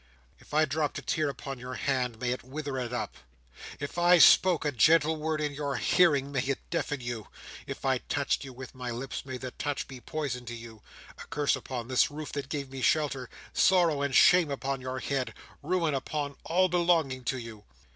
"If I dropped a tear upon your hand, may it wither it up! If I spoke a gentle word in your hearing, may it deafen you! If I touched you with my lips, may the touch be poison to you! A curse upon this roof that gave me shelter! Sorrow and shame upon your head! Ruin upon all belonging to you!"